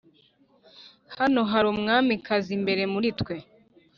hano hari umwamikazi imbere muri twese.